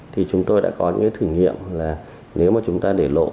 thì chúng tôi đã có những thử nghiệm là nếu mà chúng ta để lộ cái ảnh vân tay